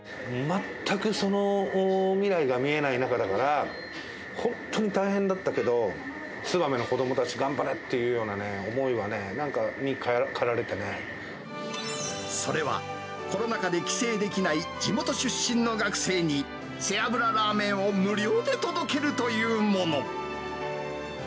全くその未来が見えない中だから、本当に大変だったけど、燕の子どもたち、頑張れっていうような思いはね、なんかに駆られそれは、コロナ禍で帰省できない地元出身の学生に、背脂ラーメンを無料で届けるというもの。